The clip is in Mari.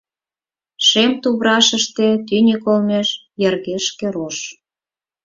Шем туврашыште тӱньык олмеш йыргешке рож.